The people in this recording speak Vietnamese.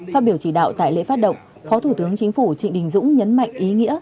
phát biểu chỉ đạo tại lễ phát động phó thủ tướng chính phủ trịnh đình dũng nhấn mạnh ý nghĩa